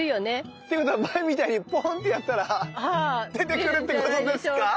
っていうことは前みたいにポンってやったら出てくるってことですか？